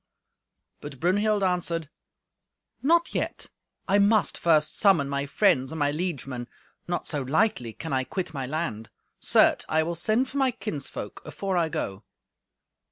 But Brunhild answered, "Not yet; I must first summon my friends and my liegemen. Not so lightly can I quit my land. Certes, I will send for my kinsfolk afore I go."